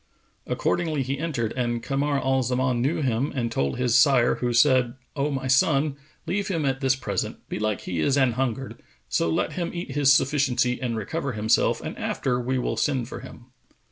Accordingly he entered and Kamar al Zaman knew him and told his sire who said, "O my son, leave him at this present: belike he is anhungered: so let him eat his sufficiency and recover himself and after we will send for him."